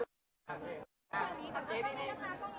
ไม่ได้หยัดแล้วนะ